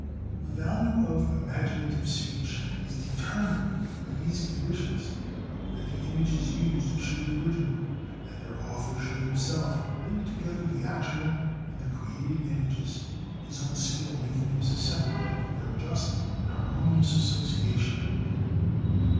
The value of imaginative speech is determined by these conditions: that the images used should be original, that their author should himself link together the actual and the created images, his own skill making him susceptible to their just and harmonious association.